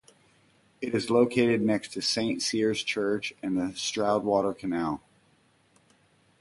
It is located next to Saint Cyr's Church and the Stroudwater Canal.